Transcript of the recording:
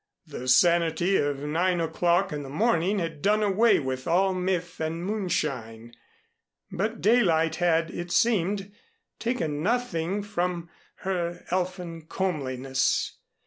The sanity of nine o'clock in the morning had done away with all myth and moonshine, but daylight had, it seemed, taken nothing from her elfin comeliness.